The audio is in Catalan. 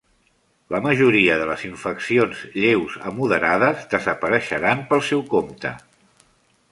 La majoria de les infeccions lleus a moderades desapareixeran pel seu compte.